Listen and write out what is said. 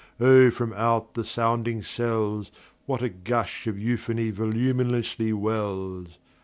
Oh, from out the sounding cells, What a gush of euphony voluminously wells!